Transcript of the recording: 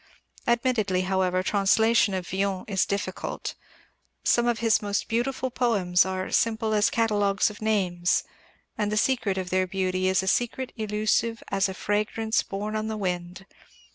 Admittedly, however, translation of Villon is difficult. Some of his most beautiful poems are simple as catalogues of names, and the secret of their beauty is a secret elusive as a fragrance borne on the wind.